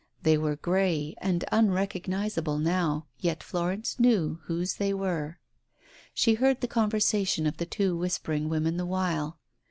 They were grey and unrecognizable now, yet Florence knew whose they were. She heard the conversation of the two whispering women the while.